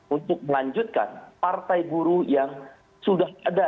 untuk melanjutkan partai buruh yang sudah ada